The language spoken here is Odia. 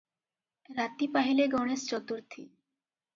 ରାତି ପାଇଲେ ଗଣେଶ ଚତୁର୍ଥୀ ।